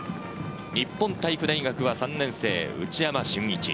日本体育大学は３年生・内山峻一。